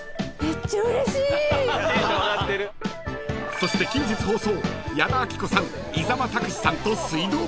［そして近日放送］